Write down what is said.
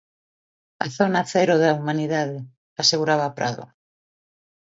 "A zona cero da humanidade", aseguraba Prado.